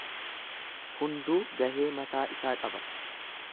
Hunduu gahee mataa isaa qaba.